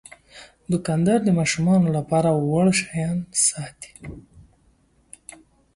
دوکاندار د ماشومانو لپاره وړ شیان ساتي.